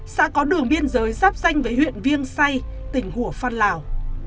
xã có đường biên giới sắp danh với huyện viên say tỉnh hùa phan lào